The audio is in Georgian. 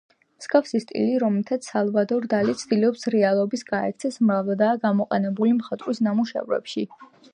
მსგავსი სტილი, რომლითაც სალვადორ დალი ცდილობს რეალობას გაექცეს, მრავლადაა გამოყენებული მხატვრის ნამუშევრებში.